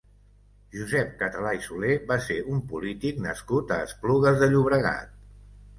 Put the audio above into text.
Josep Català i Soler va ser un polític nascut a Esplugues de Llobregat.